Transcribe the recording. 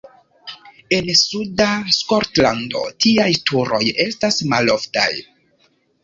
En suda Skotlando tiaj turoj estas maloftaj.